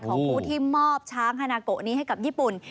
ของผู้ที่มอบช้างฮานาโกะนี้ให้กับญี่ปุ่น